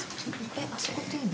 あそこっていいの？